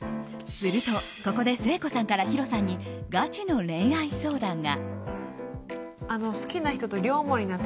すると、ここで誠子さんからヒロさんにガチの恋愛相談が。